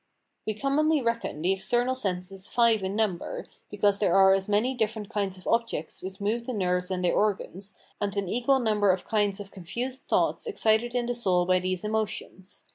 We commonly reckon the external senses five in number, because there are as many different kinds of objects which move the nerves and their organs, and an equal number of kinds of confused thoughts excited in the soul by these emotions.